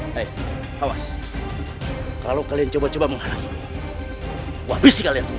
hai hawas kalau kalian coba coba mengharap wabisi kalian semua